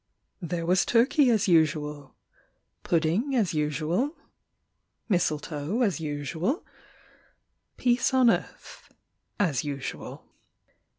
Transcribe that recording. There was turkey as usual, Pudding as usual, Mistletoe as usual, Peace on earth as usual.